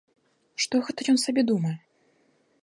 Што ж гэта ён сабе думае?